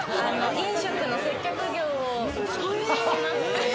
飲食の接客業をしてます。